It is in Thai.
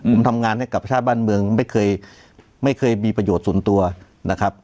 ผมทำงานให้กับชาติบ้านเมืองไม่เคยไม่เคยมีประโยชน์ส่วนตัวนะครับ